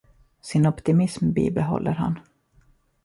Sin optimism bibehåller han.